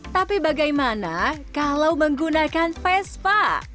tapi bagaimana kalau menggunakan vespa